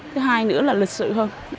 thứ hai nữa là lịch sự hơn